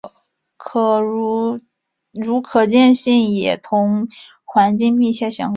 如可见性也同环境密切相关。